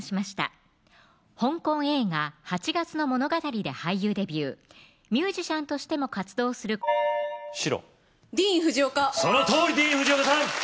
香港映画八月の物語で俳優デビューミュージシャンとしても活動する白ディーン・フジオカそのとおりディーン・フジオカさん